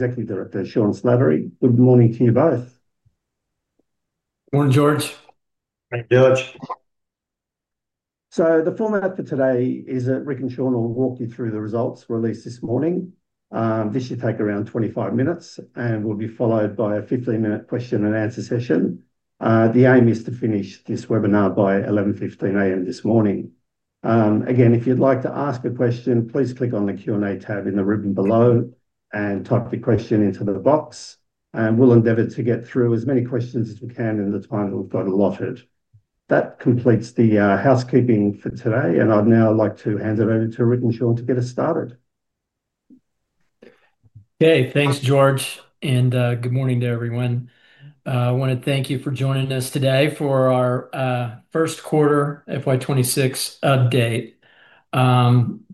Executive Director Sean Slattery, good morning to you both. Morning, George. Morning, George. The format for today is that Rick and Sean will walk you through the results released this morning. This should take around 25 minutes and will be followed by a 15-minute question-and-answer session. The aim is to finish this webinar by 11:15 A.M. this morning. Again, if you'd like to ask a question, please click on the Q&A tab in the ribbon below and type the question into the box, and we'll endeavor to get through as many questions as we can in the time that we've got allotted. That completes the housekeeping for today, and I'd now like to hand it over to Rick and Sean to get us started. Okay, thanks, George, and good morning to everyone. I want to thank you for joining us today for our first quarter FY 2026 update.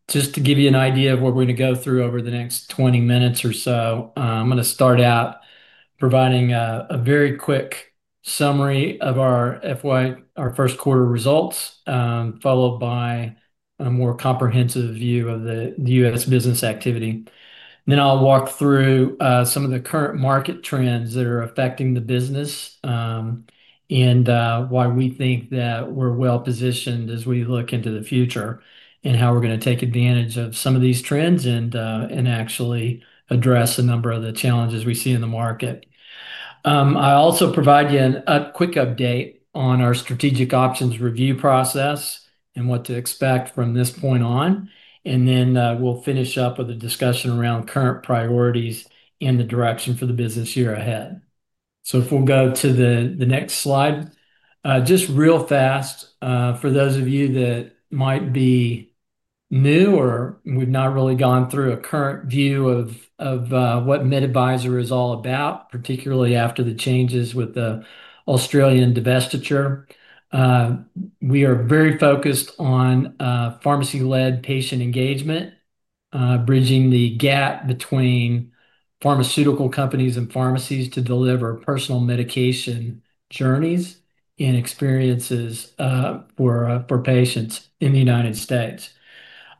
Just to give you an idea of what we're going to go through over the next 20 minutes or so, I'm going to start out providing a very quick summary of our first quarter results, followed by a more comprehensive view of the U.S. business activity. Then I'll walk through some of the current market trends that are affecting the business and why we think that we're well positioned as we look into the future and how we're going to take advantage of some of these trends and actually address a number of the challenges we see in the market. I'll also provide you a quick update on our strategic options review process and what to expect from this point on. We will finish up with a discussion around current priorities and the direction for the business year ahead. If we'll go to the next slide, just real fast for those of you that might be new or we've not really gone through a current view of what MedAdvisor Limited is all about, particularly after the changes with the Australian divestiture. We are very focused on pharmacy-led patient engagement, bridging the gap between pharmaceutical companies and pharmacies to deliver personal medication journeys and experiences for patients in the United States.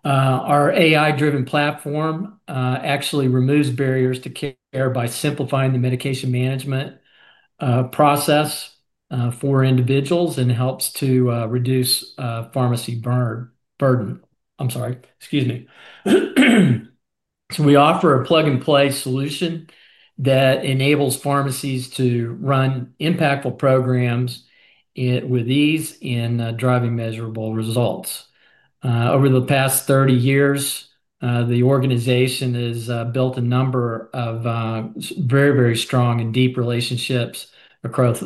Our AI-driven platform actually removes barriers to care by simplifying the medication management process for individuals and helps to reduce pharmacy burden. We offer a plug-and-play solution that enables pharmacies to run impactful programs with ease and driving measurable results. Over the past 30 years, the organization has built a number of very, very strong and deep relationships across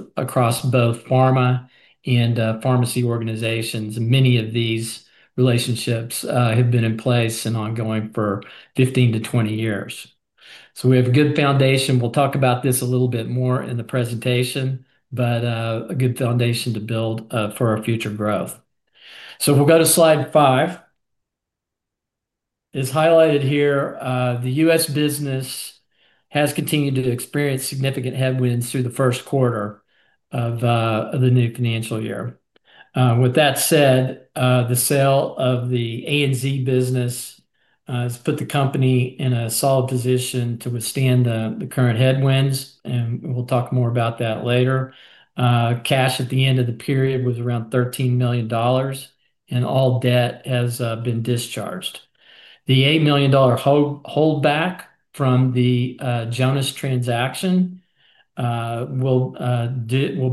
both pharma and pharmacy organizations. Many of these relationships have been in place and ongoing for 15-20 years. We have a good foundation. We'll talk about this a little bit more in the presentation, but a good foundation to build for our future growth. If we'll go to slide five. As highlighted here, the U.S. business has continued to experience significant headwinds through the first quarter of the new financial year. With that said, the sale of the Australia and New Zealand business has put the company in a solid position to withstand the current headwinds, and we'll talk more about that later. Cash at the end of the period was around 13 million dollars, and all debt has been discharged. The 8 million dollar holdback from the Jonas transaction will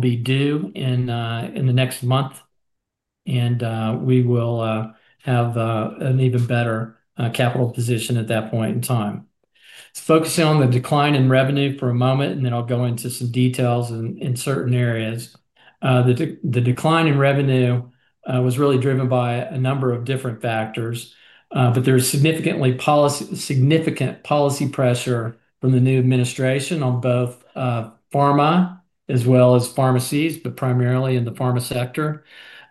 be due in the next month, and we will have an even better capital position at that point in time. Focusing on the decline in revenue for a moment, I'll go into some details in certain areas. The decline in revenue was really driven by a number of different factors, but there is significant policy pressure from the new administration on both pharma as well as pharmacies, but primarily in the pharma sector.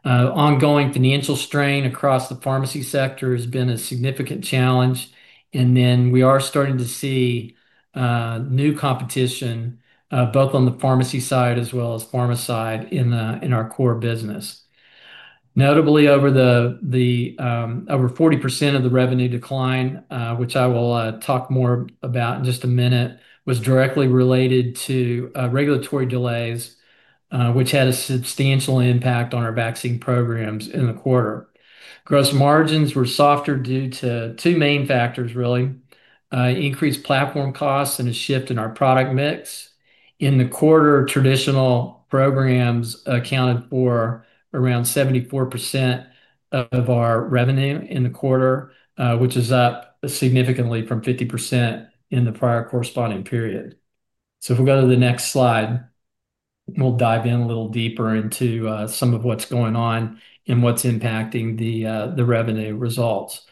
Ongoing financial strain across the pharmacy sector has been a significant challenge, and we are starting to see new competition both on the pharmacy side as well as pharma side in our core business. Notably, over 40% of the revenue decline, which I will talk more about in just a minute, was directly related to regulatory delays, which had a substantial impact on our vaccine program revenues in the quarter. Gross margins were softer due to two main factors: increased platform costs and a shift in our product mix. In the quarter, traditional programs accounted for around 74% of our revenue, which is up significantly from 50% in the prior corresponding period. If we go to the next slide, we'll dive in a little deeper into some of what's going on and what's impacting the revenue results.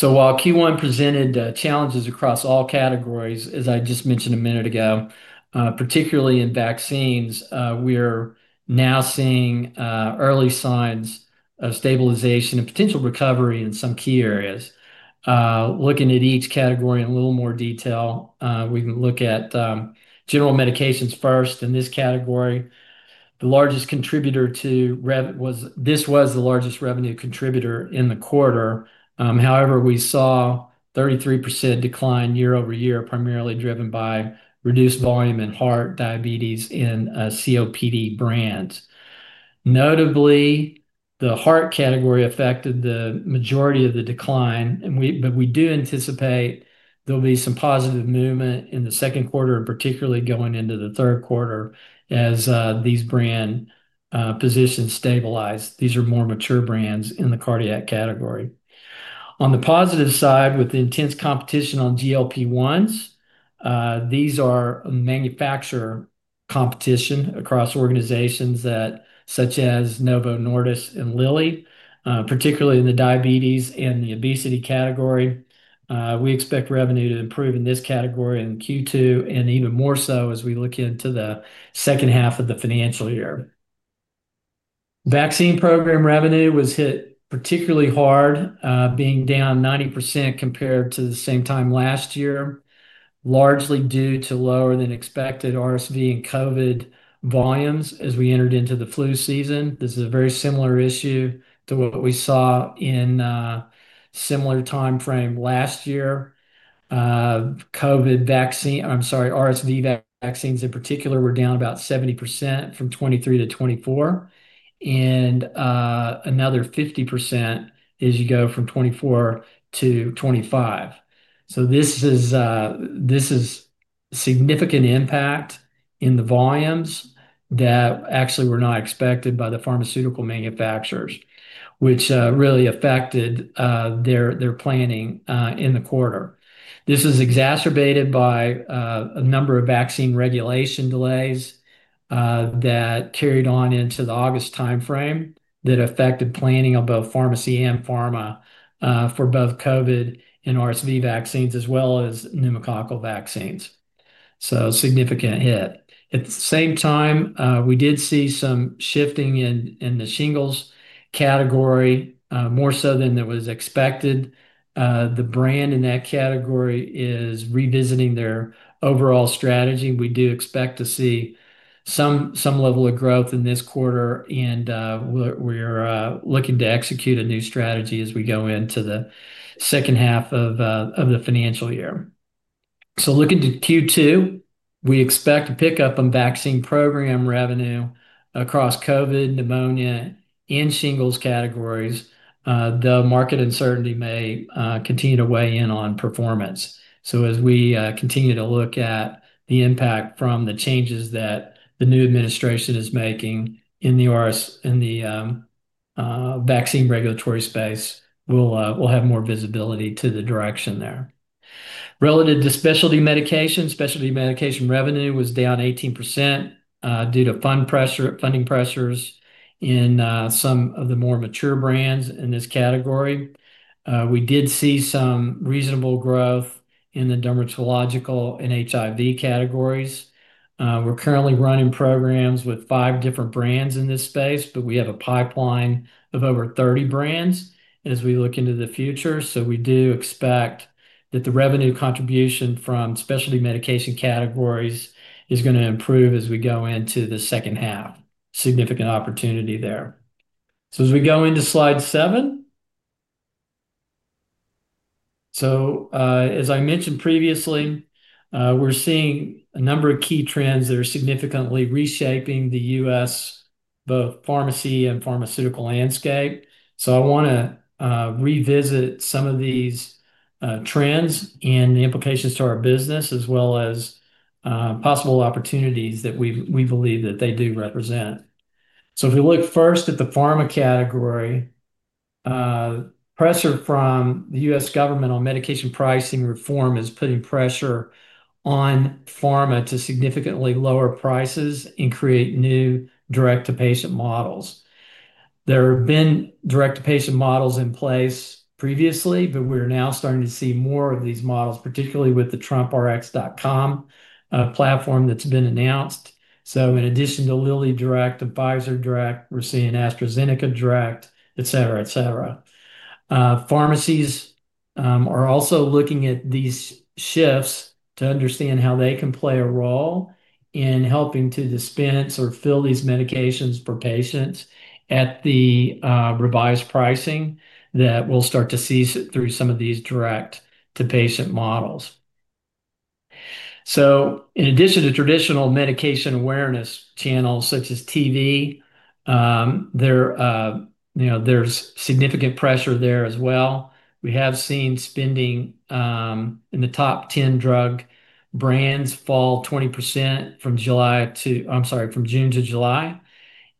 While Q1 presented challenges across all categories, as I just mentioned a minute ago, particularly in vaccines, we are now seeing early signs of stabilization and potential recovery in some key areas. Looking at each category in a little more detail, we can look at general medications first. The largest contributor to revenue was this was the largest revenue contributor in the quarter. However, we saw a 33% decline year-over-year, primarily driven by reduced volume in heart, diabetes, and COPD brands. Notably, the heart category affected the majority of the decline, but we do anticipate there'll be some positive movement in the second quarter, particularly going into the third quarter as these brand positions stabilize. These are more mature brands in the cardiac category. On the positive side, with the intense competition on GLP-1s, these are manufacturer competition across organizations such as Novo Nordisk and Lilly, particularly in the diabetes and the obesity category. We expect revenue to improve in this category in Q2 and even more so as we look into the second half of the financial year. Vaccine program revenue was hit particularly hard, being down 90% compared to the same time last year, largely due to lower than expected RSV and COVID volumes as we entered into the flu season. This is a very similar issue to what we saw in a similar timeframe last year. RSV vaccines in particular were down about 70% from 2023 to 2024, and another 50% as you go from 2024 to 2025. This is a significant impact in the volumes that actually were not expected by the pharmaceutical manufacturers, which really affected their planning in the quarter. This is exacerbated by a number of vaccine regulatory delays that carried on into the August timeframe that affected planning on both pharmacy and pharma for both COVID and RSV vaccines, as well as pneumococcal vaccines. A significant hit. At the same time, we did see some shifting in the shingles category, more so than was expected. The brand in that category is revisiting their overall strategy. We do expect to see some level of growth in this quarter, and we're looking to execute a new strategy as we go into the second half of the financial year. Looking to Q2, we expect a pickup in vaccine program revenue across COVID, pneumonia, and shingles categories, though market uncertainty may continue to weigh in on performance. As we continue to look at the impact from the changes that the new administration is making in the vaccine regulatory space, we'll have more visibility to the direction there. Relative to specialty medications, specialty medication revenue was down 18% due to funding pressures in some of the more mature brands in this category. We did see some reasonable growth in the dermatological and HIV categories. We're currently running programs with five different brands in this space, but we have a pipeline of over 30 brands as we look into the future. We do expect that the revenue contribution from specialty medication categories is going to improve as we go into the second half. Significant opportunity there. As we go into slide seven, as I mentioned previously, we're seeing a number of key trends that are significantly reshaping the U.S., both pharmacy and pharmaceutical landscape. I want to revisit some of these trends and the implications to our business, as well as possible opportunities that we believe that they do represent. If we look first at the pharma category, pressure from the U.S. government on medication pricing reform is putting pressure on pharma to significantly lower prices and create new direct-to-patient models. There have been direct-to-patient models in place previously, but we are now starting to see more of these models, particularly with the TrumpRx.com platform that's been announced. In addition to Lilly Direct and Pfizer Direct, we're seeing AstraZeneca Direct, etc. Pharmacies are also looking at these shifts to understand how they can play a role in helping to dispense or fill these medications for patients at the revised pricing that we'll start to see through some of these direct-to-patient models. In addition to traditional medication awareness channels such as TV, there's significant pressure there as well. We have seen spending in the top 10 drug brands fall 20% from June to July,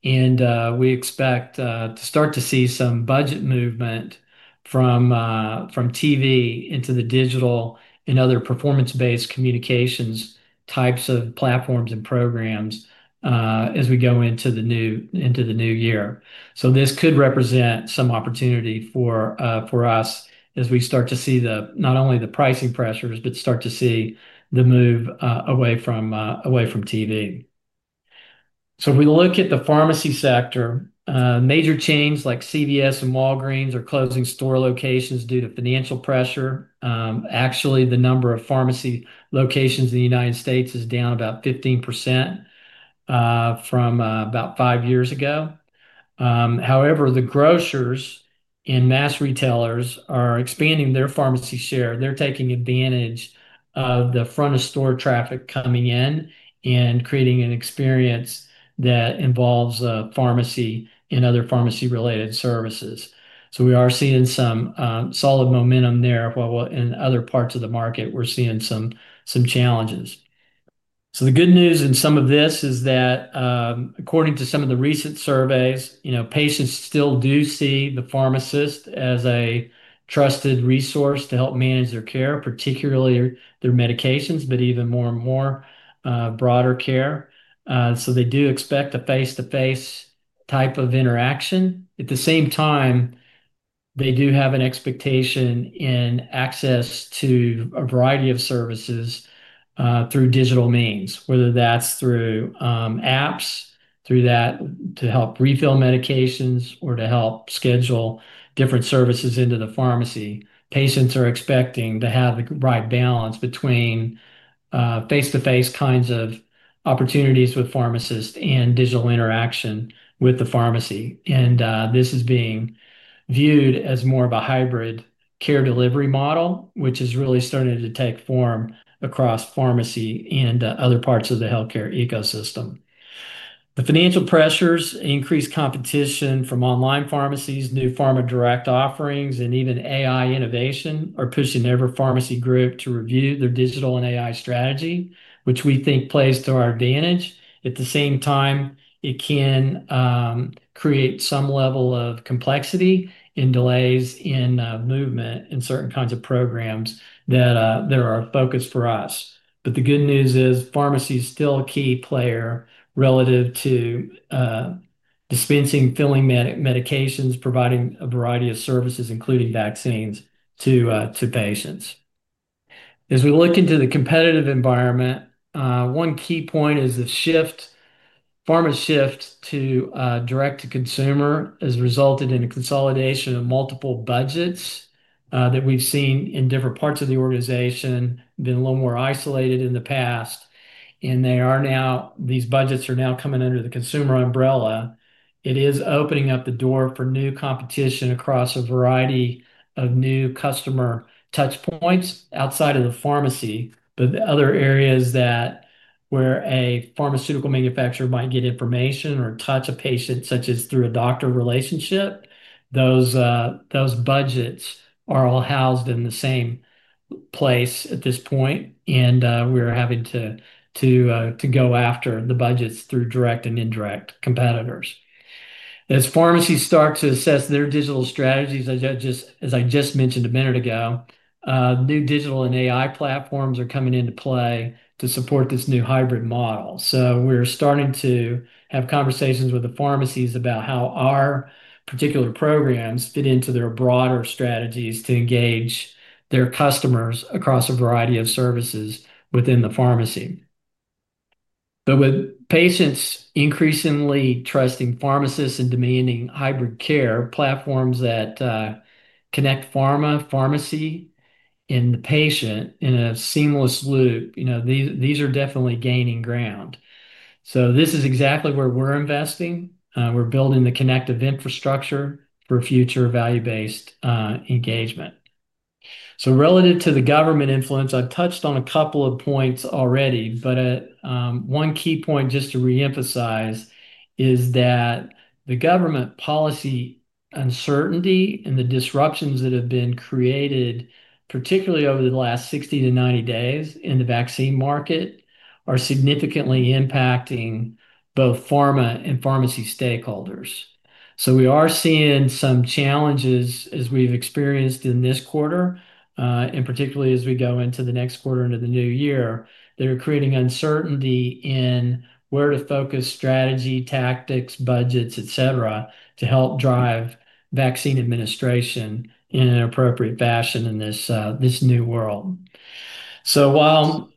and we expect to start to see some budget movement from TV into the digital and other performance-based communications types of platforms and programs as we go into the new year. This could represent some opportunity for us as we start to see not only the pricing pressures, but start to see the move away from TV. If we look at the pharmacy sector, major chains like CVS and Walgreens are closing store locations due to financial pressure. The number of pharmacy locations in the United States is down about 15% from about five years ago. However, the grocers and mass retailers are expanding their pharmacy share. They're taking advantage of the front-of-store traffic coming in and creating an experience that involves a pharmacy and other pharmacy-related services. We are seeing some solid momentum there, while in other parts of the market, we're seeing some challenges. The good news in some of this is that, according to some of the recent surveys, patients still do see the pharmacist as a trusted resource to help manage their care, particularly their medications, but even more and more broader care. They do expect a face-to-face type of interaction. At the same time, they do have an expectation in access to a variety of services through digital means, whether that's through apps to help refill medications, or to help schedule different services into the pharmacy. Patients are expecting to have the right balance between face-to-face kinds of opportunities with pharmacists and digital interaction with the pharmacy. This is being viewed as more of a hybrid care delivery model, which is really starting to take form across pharmacy and other parts of the healthcare ecosystem. The financial pressures, increased competition from online pharmacies, new pharma direct offerings, and even AI innovation are pushing every pharmacy group to review their digital and AI strategy, which we think plays to our advantage. At the same time, it can create some level of complexity and delays in movement in certain kinds of programs that are a focus for us. The good news is pharmacy is still a key player relative to dispensing and filling medications, providing a variety of services, including vaccines, to patients. As we look into the competitive environment, one key point is the pharma shift to direct-to-consumer has resulted in a consolidation of multiple budgets that we've seen in different parts of the organization that are a little more isolated in the past. These budgets are now coming under the consumer umbrella. It is opening up the door for new competition across a variety of new customer touchpoints outside of the pharmacy, but other areas where a pharmaceutical manufacturer might get information or touch a patient, such as through a doctor relationship. Those budgets are all housed in the same place at this point, and we're having to go after the budgets through direct and indirect competitors. As pharmacies start to assess their digital strategies, as I just mentioned a minute ago, new digital and AI platforms are coming into play to support this new hybrid model. We're starting to have conversations with the pharmacies about how our particular programs fit into their broader strategies to engage their customers across a variety of services within the pharmacy. With patients increasingly trusting pharmacists and demanding hybrid care platforms that connect pharma, pharmacy, and the patient in a seamless loop, these are definitely gaining ground. This is exactly where we're investing. We're building the connective infrastructure for future value-based engagement. Relative to the government influence, I've touched on a couple of points already, but one key point just to reemphasize is that the government policy uncertainty and the disruptions that have been created, particularly over the last 60-90 days in the vaccine market, are significantly impacting both pharma and pharmacy stakeholders. We are seeing some challenges, as we've experienced in this quarter, and particularly as we go into the next quarter into the new year, that are creating uncertainty in where to focus strategy, tactics, budgets, etc., to help drive vaccine administration in an appropriate fashion in this new world. While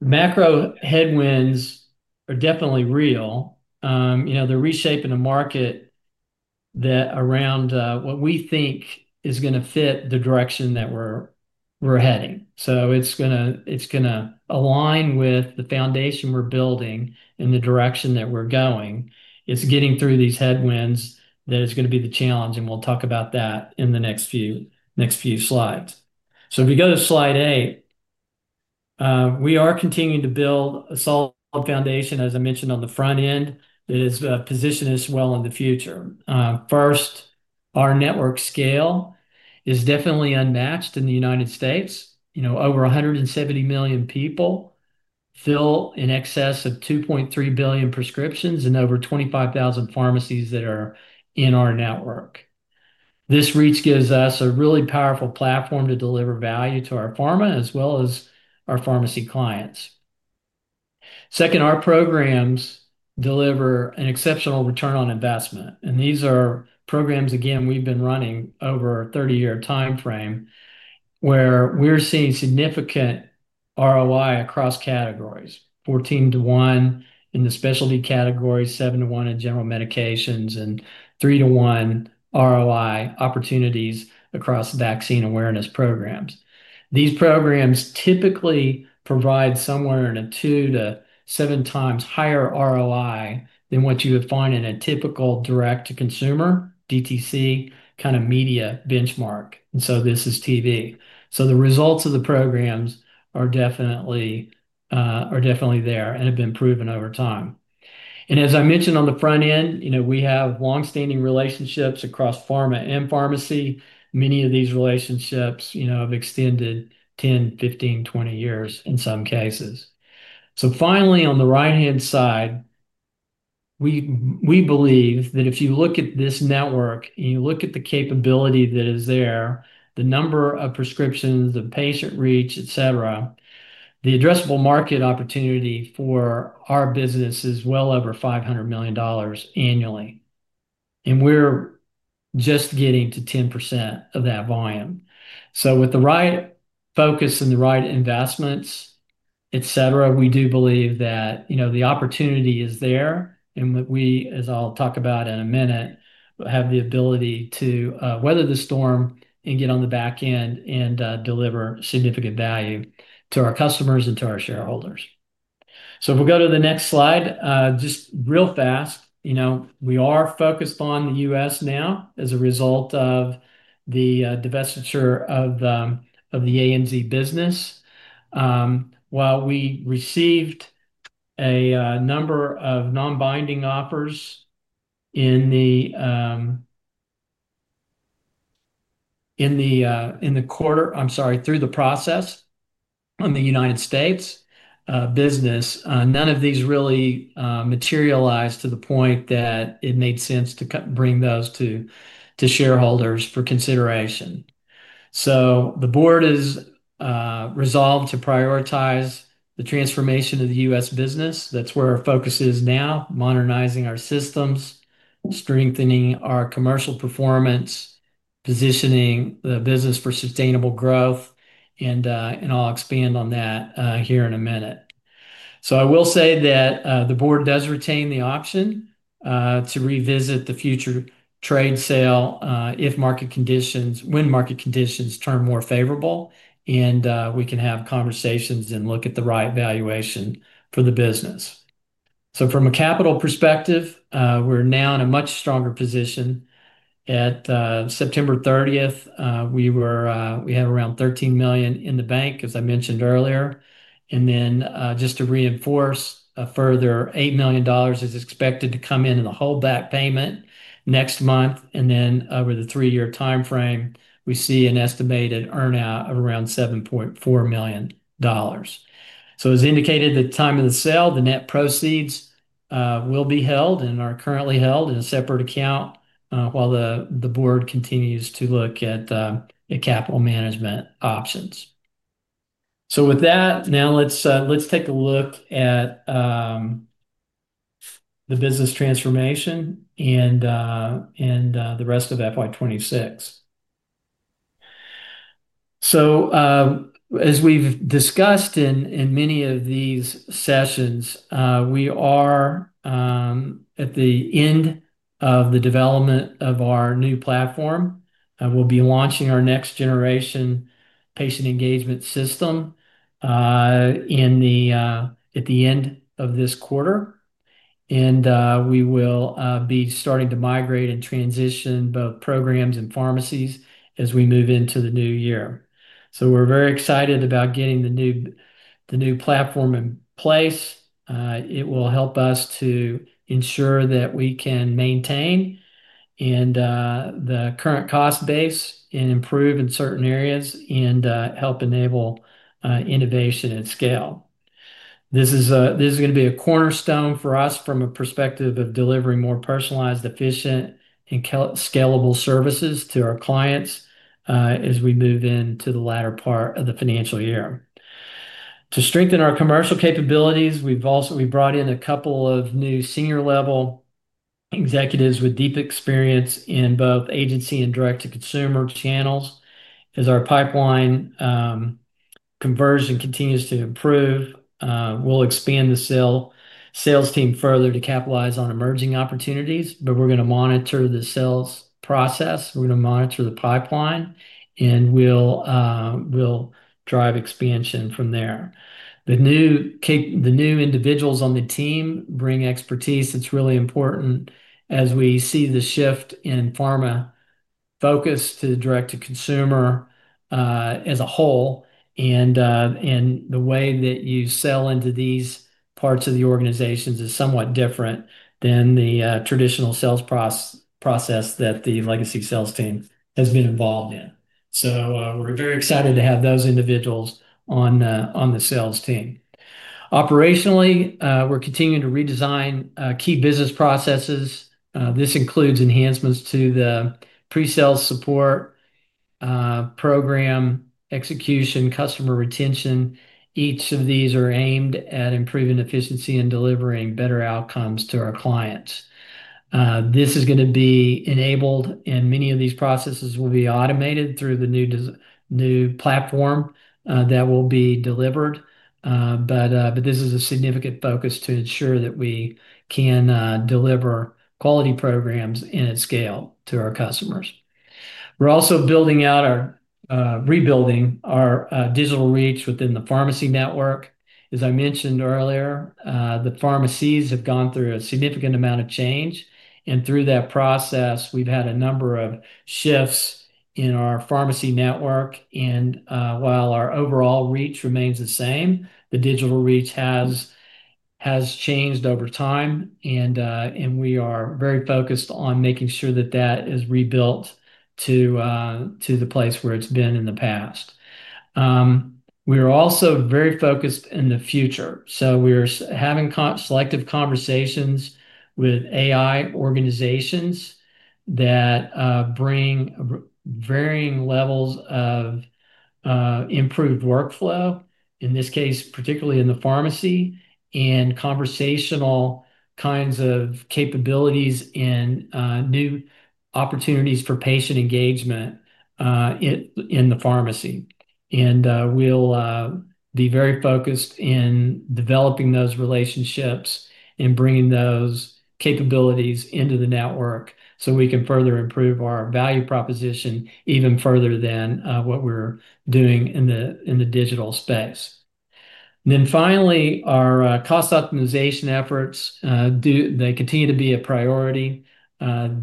macro headwinds are definitely real, they're reshaping a market around what we think is going to fit the direction that we're heading. It's going to align with the foundation we're building and the direction that we're going. It's getting through these headwinds that is going to be the challenge, and we'll talk about that in the next few slides. If we go to slide eight, we are continuing to build a solid foundation, as I mentioned on the front end, that is positioned as well in the future. First, our network scale is definitely unmatched in the United States. Over 170 million people fill in excess of 2.3 billion prescriptions and over 25,000 pharmacies that are in our network. This reach gives us a really powerful platform to deliver value to our pharma as well as our pharmacy clients. Second, our programs deliver an exceptional return on investment. These are programs, again, we've been running over a 30-year timeframe where we're seeing significant ROI across categories: 14 to 1 in the specialty categories, 7 to 1 in general medications, and 3 to 1 ROI opportunities across vaccine awareness programs. These programs typically provide somewhere in a 2-7 times higher ROI than what you would find in a typical direct-to-consumer DTC kind of media benchmark. This is TV. The results of the programs are definitely there and have been proven over time. As I mentioned on the front end, we have longstanding relationships across pharma and pharmacy. Many of these relationships have extended 10, 15, 20 years in some cases. Finally, on the right-hand side, we believe that if you look at this network and you look at the capability that is there, the number of prescriptions, the patient reach, etc., the addressable market opportunity for our business is well over 500 million dollars annually. We're just getting to 10% of that volume. With the right focus and the right investments, etc., we do believe that the opportunity is there, and we, as I'll talk about in a minute, have the ability to weather the storm and get on the back end and deliver significant value to our customers and to our shareholders. If we go to the next slide, just real fast, we are focused on the U.S. now as a result of the divestiture of the Australia and New Zealand business. We received a number of non-binding offers in the quarter, I'm sorry, through the process on the United States business. None of these really materialized to the point that it made sense to bring those to shareholders for consideration. The board is resolved to prioritize the transformation of the U.S. business. That's where our focus is now: modernizing our systems, strengthening our commercial performance, positioning the business for sustainable growth, and I'll expand on that here in a minute. I will say that the board does retain the option to revisit the future trade sale if market conditions, when market conditions turn more favorable, and we can have conversations and look at the right valuation for the business. From a capital perspective, we're now in a much stronger position. At September 30, we have around 13 million in the bank, as I mentioned earlier. Just to reinforce, a further 8 million dollars is expected to come in in the holdback payment next month. Over the three-year timeframe, we see an estimated earnout of around 7.4 million dollars. As indicated at the time of the sale, the net proceeds will be held and are currently held in a separate account while the board continues to look at the capital management options. With that, now let's take a look at the business transformation and the rest of FY 2026. As we've discussed in many of these sessions, we are at the end of the development of our new platform. We'll be launching our Next Generation Patient Engagement Platform at the end of this quarter, and we will be starting to migrate and transition both programs and pharmacies as we move into the new year. We're very excited about getting the new platform in place. It will help us to ensure that we can maintain the current cost base and improve in certain areas and help enable innovation at scale. This is going to be a cornerstone for us from a perspective of delivering more personalized, efficient, and scalable services to our clients as we move into the latter part of the financial year. To strengthen our commercial capabilities, we've also brought in a couple of new senior-level executives with deep experience in both agency and direct-to-consumer channels. As our pipeline converges and continues to improve, we'll expand the sales team further to capitalize on emerging opportunities, but we're going to monitor the sales process. We're going to monitor the pipeline, and we'll drive expansion from there. The new individuals on the team bring expertise that's really important as we see the shift in pharma focus to the direct-to-consumer as a whole. The way that you sell into these parts of the organizations is somewhat different than the traditional sales process that the legacy sales team has been involved in. We're very excited to have those individuals on the sales team. Operationally, we're continuing to redesign key business processes. This includes enhancements to the presale support program execution, customer retention. Each of these are aimed at improving efficiency and delivering better outcomes to our clients. This is going to be enabled, and many of these processes will be automated through the new platform that will be delivered. This is a significant focus to ensure that we can deliver quality programs at scale to our customers. We're also building out or rebuilding our digital reach within the pharmacy network. As I mentioned earlier, the pharmacies have gone through a significant amount of change, and through that process, we've had a number of shifts in our pharmacy network. While our overall reach remains the same, the digital reach has changed over time, and we are very focused on making sure that that is rebuilt to the place where it's been in the past. We are also very focused in the future. We're having selective conversations with AI organizations that bring varying levels of improved workflow, in this case, particularly in the pharmacy, and conversational kinds of capabilities and new opportunities for patient engagement in the pharmacy. We will be very focused in developing those relationships and bringing those capabilities into the network so we can further improve our value proposition even further than what we're doing in the digital space. Finally, our cost optimization efforts continue to be a priority.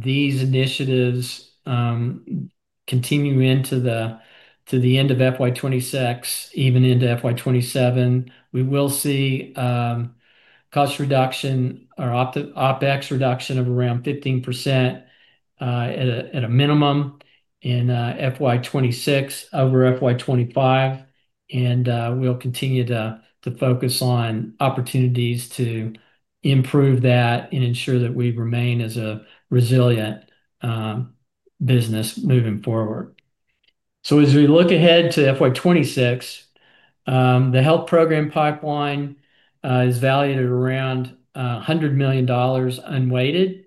These initiatives continue into the end of FY 2026, even into FY 2027. We will see cost reduction or OPEX reduction of around 15% at a minimum in FY 2026 over FY 2025, and we'll continue to focus on opportunities to improve that and ensure that we remain as a resilient business moving forward. As we look ahead to FY 2026, the health program pipeline is valued at around 100 million dollars unweighted,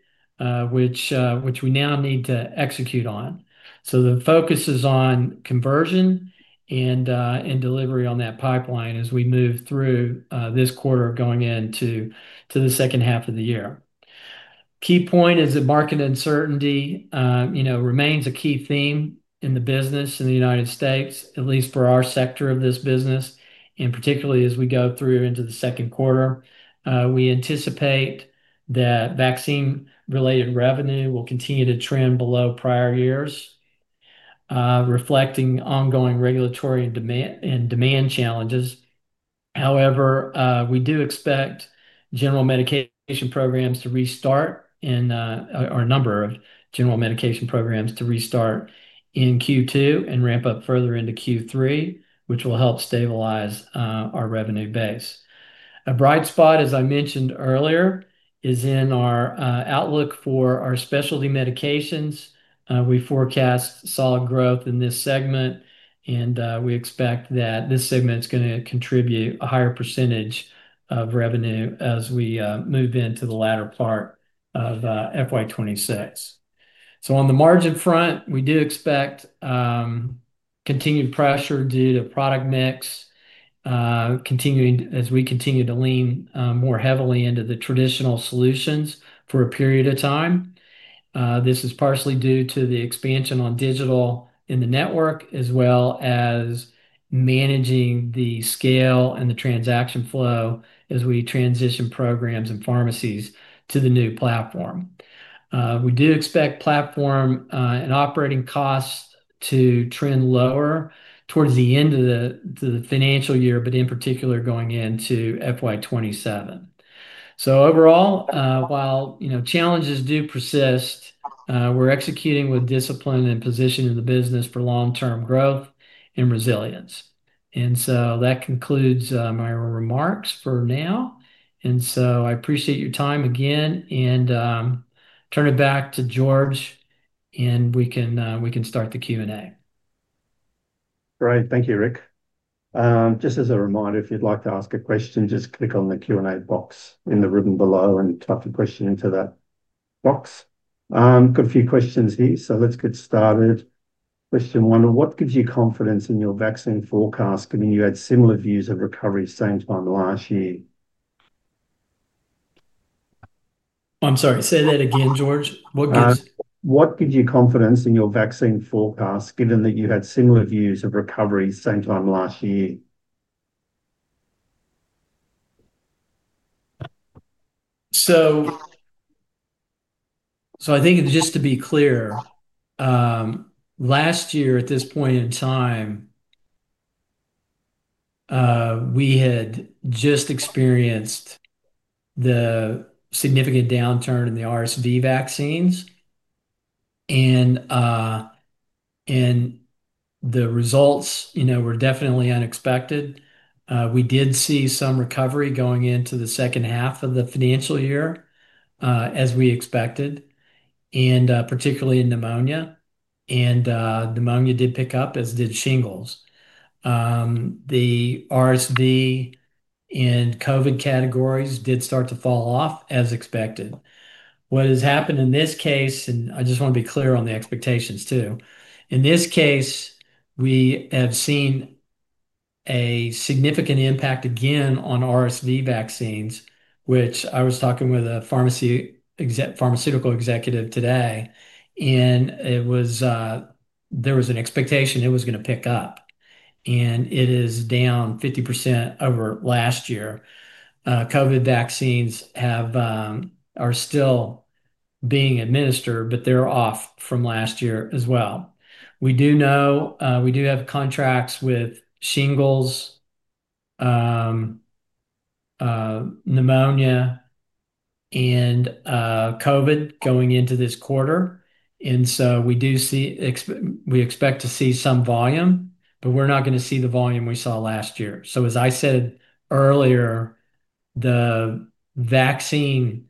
which we now need to execute on. The focus is on conversion and delivery on that pipeline as we move through this quarter, going into the second half of the year. A key point is that market uncertainty remains a key theme in the business in the United States, at least for our sector of this business, and particularly as we go through into the second quarter. We anticipate that vaccine-related revenue will continue to trend below prior years, reflecting ongoing regulatory and demand challenges. However, we do expect general medication programs to restart and our number of general medication programs to restart in Q2 and ramp up further into Q3, which will help stabilize our revenue base. A bright spot, as I mentioned earlier, is in our outlook for our specialty medications. We forecast solid growth in this segment, and we expect that this segment is going to contribute a higher percentage of revenue as we move into the latter part of FY 2026. On the margin front, we do expect continued pressure due to product mix continuing as we continue to lean more heavily into the traditional solutions for a period of time. This is partially due to the expansion on digital in the network, as well as managing the scale and the transaction flow as we transition programs and pharmacies to the new platform. We do expect platform and operating costs to trend lower towards the end of the financial year, but in particular going into FY 2027. Overall, while challenges do persist, we're executing with discipline and positioning the business for long-term growth and resilience. That concludes my remarks for now. I appreciate your time again, and turn it back to George, and we can start the Q&A. Great. Thank you, Rick. Just as a reminder, if you'd like to ask a question, just click on the Q&A box in the ribbon below and type a question into that box. I've got a few questions here, so let's get started. Question one, what gives you confidence in your vaccine forecast, given you had similar views of recovery same time last year? I'm sorry, say that again, George. What gives you? What gives you confidence in your vaccine forecast, given that you had similar views of recovery same time last year? I think just to be clear, last year at this point in time, we had just experienced the significant downturn in the RSV vaccines, and the results were definitely unexpected. We did see some recovery going into the second half of the financial year, as we expected, particularly in pneumonia. Pneumonia did pick up, as did shingles. The RSV and COVID categories did start to fall off as expected. What has happened in this case, and I just want to be clear on the expectations too, in this case, we have seen a significant impact again on RSV vaccines, which I was talking with a pharmaceutical executive today, and there was an expectation it was going to pick up. It is down 50% over last year. COVID vaccines are still being administered, but they're off from last year as well. We do know we do have contracts with shingles, pneumonia, and COVID going into this quarter, and we do see, we expect to see some volume, but we're not going to see the volume we saw last year. As I said earlier, the vaccine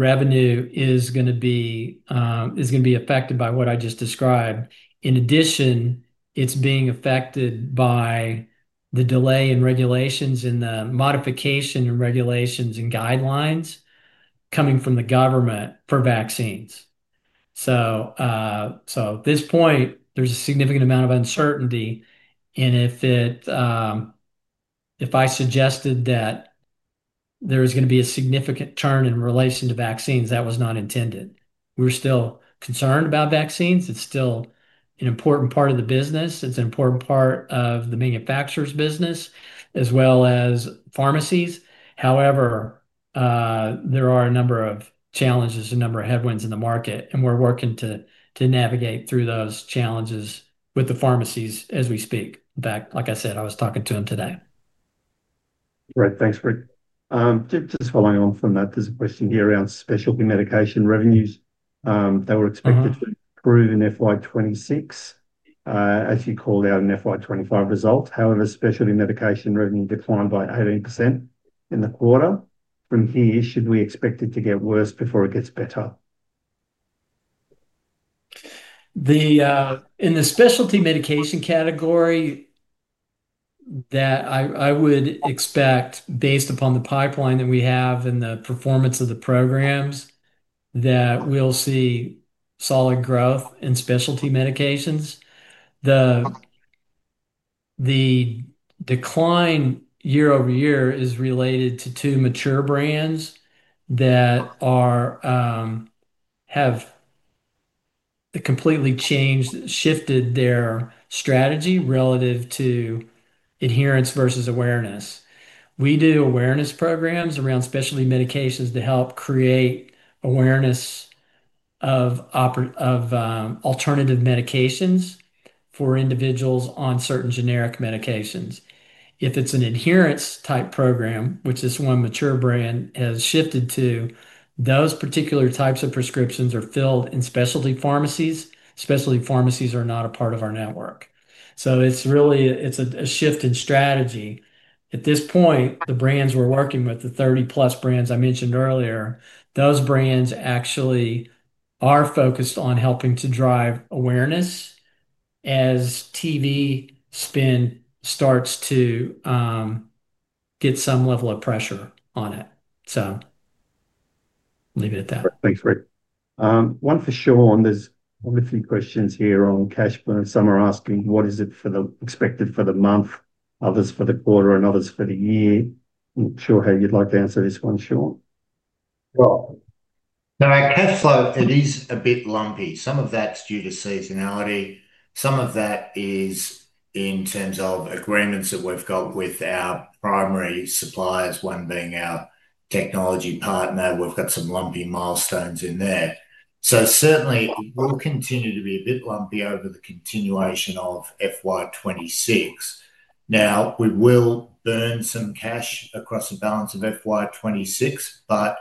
revenue is going to be affected by what I just described. In addition, it's being affected by the delay in regulations and the modification in regulations and guidelines coming from the government for vaccines. At this point, there's a significant amount of uncertainty. If I suggested that there is going to be a significant turn in relation to vaccines, that was not intended. We're still concerned about vaccines. It's still an important part of the business. It's an important part of the manufacturer's business, as well as pharmacies. However, there are a number of challenges and a number of headwinds in the market, and we're working to navigate through those challenges with the pharmacies as we speak. In fact, like I said, I was talking to them today. Great. Thanks, Rick. Just following on from that, there's a question here around specialty medication revenues that were expected to improve in FY 2026, as you called out in FY 2025 results. However, specialty medication revenue declined by 18% in the quarter. From here, should we expect it to get worse before it gets better? In the specialty medication category, I would expect, based upon the pipeline that we have and the performance of the programs, that we'll see solid growth in specialty medications. The decline year-over-year is related to two mature brands that have completely changed, shifted their strategy relative to adherence versus awareness. We do awareness programs around specialty medications to help create awareness of alternative medications for individuals on certain generic medications. If it's an adherence-type program, which this one mature brand has shifted to, those particular types of prescriptions are filled in specialty pharmacies. Specialty pharmacies are not a part of our network. It's really a shift in strategy. At this point, the brands we're working with, the 30+ brands I mentioned earlier, those brands actually are focused on helping to drive awareness as TV spend starts to get some level of pressure on it. I'll leave it at that. Thanks, Rick. One for Sean. There's probably a few questions here on cash flow, and some are asking what is it expected for the month, others for the quarter, and others for the year. I'm not sure how you'd like to answer this one, Sean. Our cash flow, it is a bit lumpy. Some of that's due to seasonality. Some of that is in terms of agreements that we've got with our primary suppliers, one being our technology partner. We've got some lumpy milestones in there. It will continue to be a bit lumpy over the continuation of FY 2026. We will burn some cash across the balance of FY 2026, but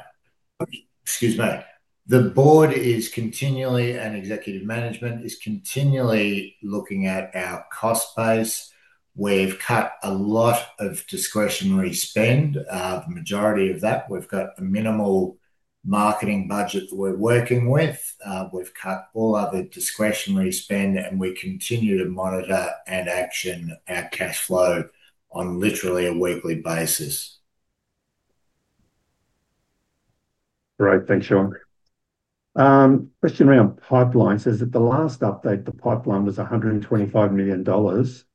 the board is continually, and executive management is continually looking at our cost base. We've cut a lot of discretionary spend. The majority of that, we've got a minimal marketing budget that we're working with. We've cut all other discretionary spend, and we continue to monitor and action our cash flow on literally a weekly basis. Great. Thanks, Sean. Question around pipeline. It says at the last update, the pipeline was 125 million dollars.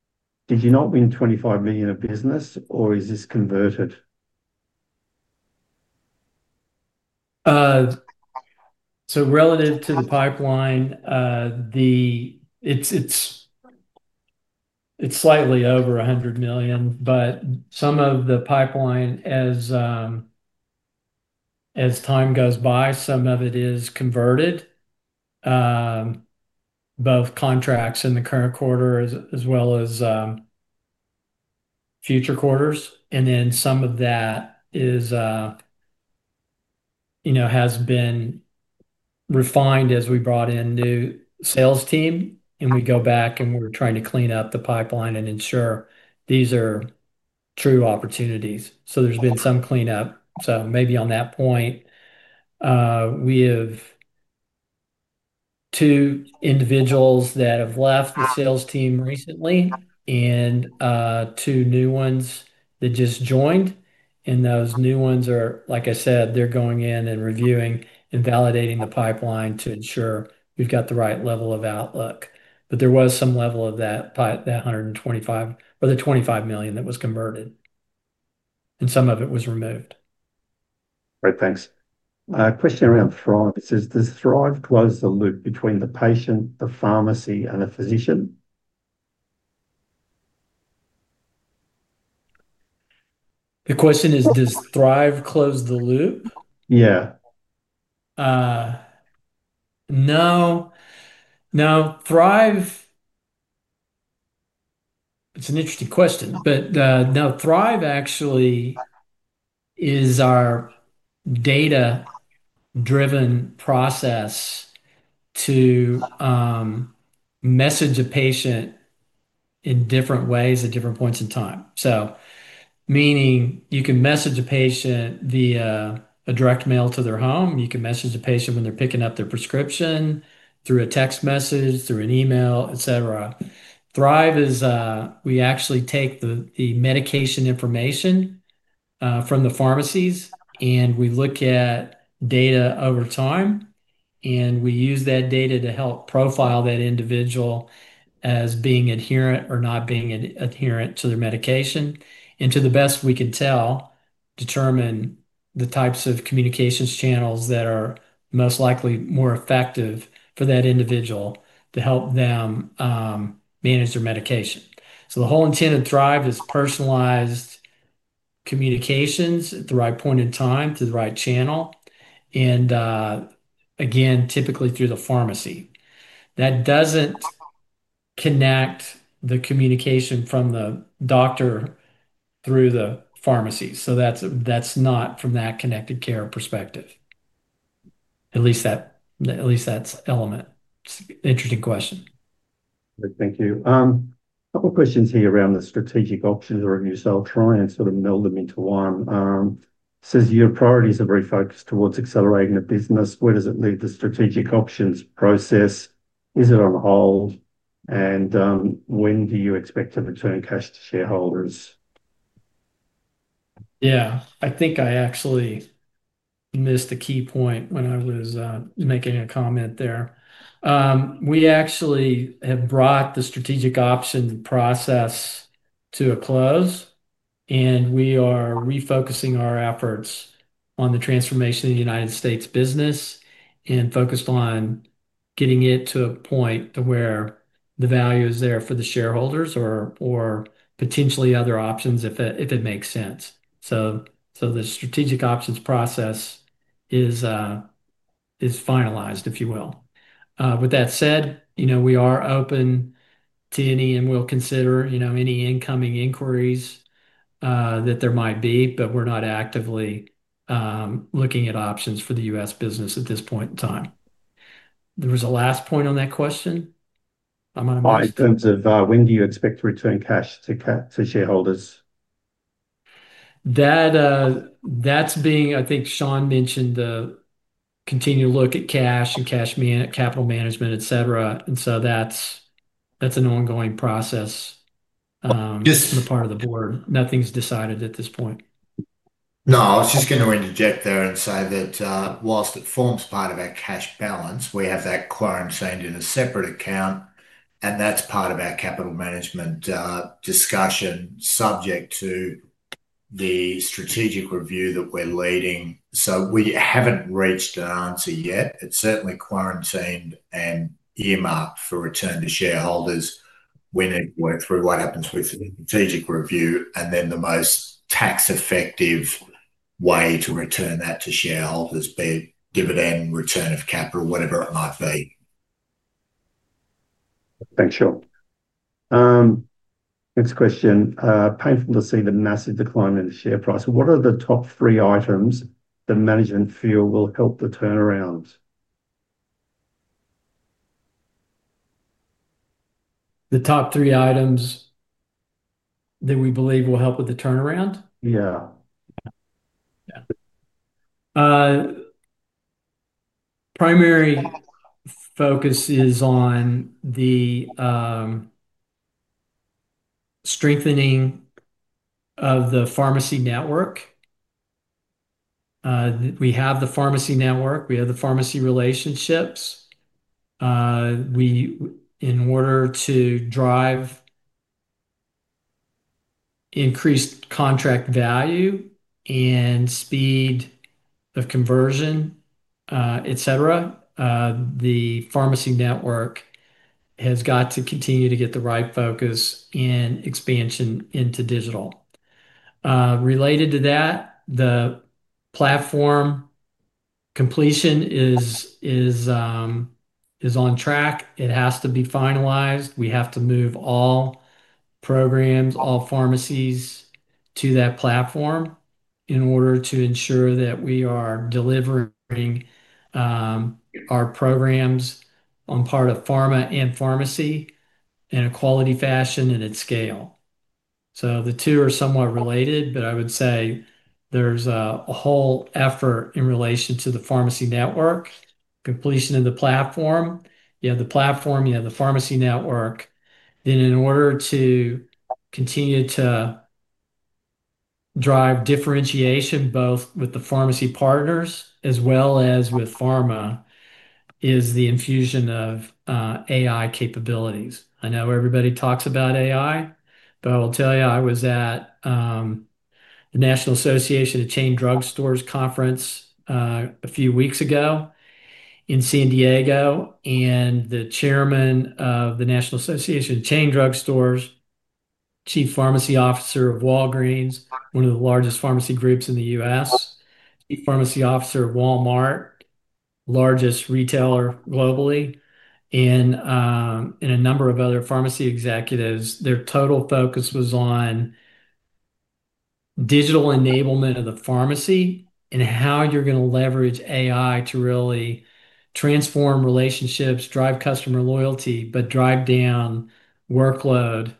Did you not win 25 million of business, or is this converted? Relative to the pipeline, it's slightly over 100 million, but some of the pipeline, as time goes by, is converted, both contracts in the current quarter as well as future quarters. Some of that has been refined as we brought in a new sales team, and we go back and we're trying to clean up the pipeline and ensure these are true opportunities. There's been some cleanup. On that point, we have two individuals that have left the sales team recently and two new ones that just joined. Those new ones are, like I said, going in and reviewing and validating the pipeline to ensure we've got the right level of outlook. There was some level of that 125 million or the 25 million that was converted, and some of it was removed. Great. Thanks. Question around Thrive. Does Thrive close the loop between the patient, the pharmacy, and the physician? The question is, does Thrive close the loop? Yeah. No. Now, Thrive, it's an interesting question, but now Thrive actually is our data-driven process to message a patient in different ways at different points in time. Meaning you can message a patient via a direct mail to their home. You can message a patient when they're picking up their prescription through a text message, through an email, etc. Thrive is we actually take the medication information from the pharmacies, and we look at data over time, and we use that data to help profile that individual as being adherent or not being adherent to their medication. To the best we can tell, determine the types of communications channels that are most likely more effective for that individual to help them manage their medication. The whole intent of Thrive is personalized communications at the right point in time to the right channel, and again, typically through the pharmacy. That doesn't connect the communication from the doctor through the pharmacy. That's not from that connected care perspective. At least that's the element. It's an interesting question. Thank you. A couple of questions here around the strategic options that are in yourself. I'll try and sort of meld them into one. It says, your priorities are very focused towards accelerating the business. Where does it leave the strategic options process? Is it on hold? When do you expect to return cash to shareholders? I think I actually missed a key point when I was making a comment there. We actually have brought the strategic options review process to a close, and we are refocusing our efforts on the transformation of the United States business and focused on getting it to a point to where the value is there for the shareholders or potentially other options if it makes sense. The strategic options review process is finalized, if you will. With that said, we are open to any and will consider any incoming inquiries that there might be, but we're not actively looking at options for the United States business at this point in time. There was a last point on that question. what extent or when do you expect to return cash to shareholders? As Sean mentioned, they continue to look at cash and capital management, etc. That's an ongoing process on the part of the board. Nothing's decided at this point. I was just going to interject there and say that whilst it forms part of our cash balance, we have that quarantined in a separate account, and that's part of our capital management discussion subject to the strategic review that we're leading. We haven't reached an answer yet. It's certainly quarantined and earmarked for return to shareholders when we go through what happens with the strategic review, and then the most tax-effective way to return that to shareholders, be it dividend, return of capital, whatever it might be. Thanks, Sean. Next question. Painful to see the massive decline in the share price. What are the top three items that management feel will help the turnaround? The top three items that we believe will help with the turnaround? Yeah. Primary focus is on the strengthening of the pharmacy network. We have the pharmacy network. We have the pharmacy relationships. In order to drive increased contract value and speed of conversion, etc., the pharmacy network has got to continue to get the right focus and expansion into digital. Related to that, the platform completion is on track. It has to be finalized. We have to move all programs, all pharmacies to that platform in order to ensure that we are delivering our programs on part of pharma and pharmacy in a quality fashion and at scale. The two are somewhat related, but I would say there's a whole effort in relation to the pharmacy network completion of the platform. You have the platform, you have the pharmacy network. In order to continue to drive differentiation both with the pharmacy partners as well as with pharma, is the infusion of AI capabilities. I know everybody talks about AI, but I will tell you, I was at the National Association of Chain Drug Stores conference a few weeks ago in San Diego, and the Chairman of the National Association of Chain Drug Stores, Chief Pharmacy Officer of Walgreens, one of the largest pharmacy groups in the U.S., Chief Pharmacy Officer of Walmart, the largest retailer globally, and a number of other pharmacy executives, their total focus was on digital enablement of the pharmacy and how you're going to leverage AI to really transform relationships, drive customer loyalty, but drive down workload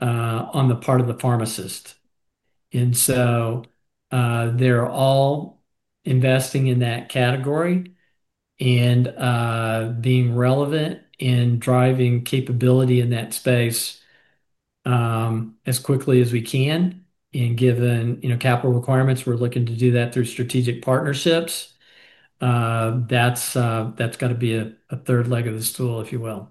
on the part of the pharmacist. They're all investing in that category and being relevant in driving capability in that space as quickly as we can. Given capital requirements, we're looking to do that through strategic partnerships. That's got to be a third leg of the stool, if you will.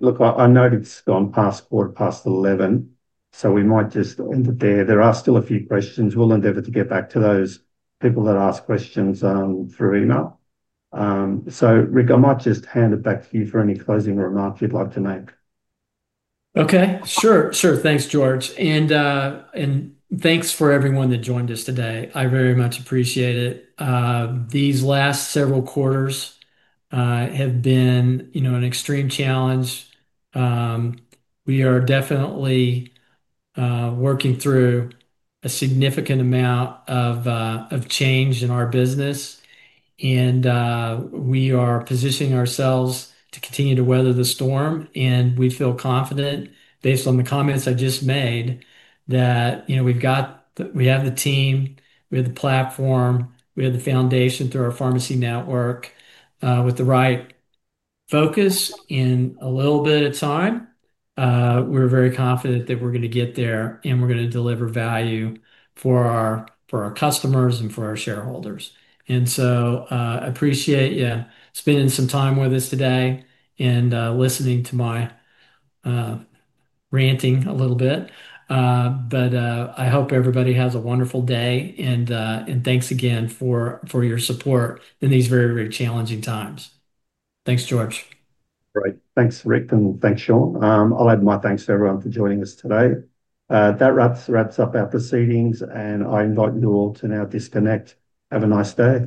Look, I know it's gone past 11:15 A.M., so we might just end it there. There are still a few questions. We'll endeavor to get back to those people that ask questions through email. Rick, I might just hand it back to you for any closing remarks you'd like to make. Okay. Sure, sure. Thanks, George. And thanks for everyone that joined us today. I very much appreciate it. These last several quarters have been an extreme challenge. We are definitely working through a significant amount of change in our business, and we are positioning ourselves to continue to weather the storm. We feel confident, based on the comments I just made, that we've got the team, we have the platform, we have the foundation through our pharmacy network. With the right focus and a little bit of time, we're very confident that we're going to get there, and we're going to deliver value for our customers and for our shareholders. I appreciate you spending some time with us today and listening to my ranting a little bit. I hope everybody has a wonderful day, and thanks again for your support in these very, very challenging times. Thanks, George. Great. Thanks, Rick, and thanks, Sean. I'll add my thanks to everyone for joining us today. That wraps up our proceedings, and I invite you all to now disconnect. Have a nice day.